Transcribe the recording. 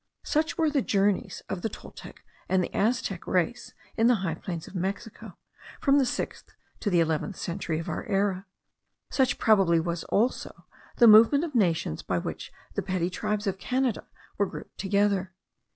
Such were the journeys of the Toltec and Aztec race in the high plains of Mexico, from the sixth to the eleventh century of our era; such probably was also the movement of nations by which the petty tribes of Canada were grouped together.